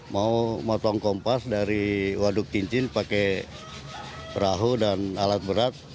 mau motong kompas dari waduk cincin pakai perahu dan alat berat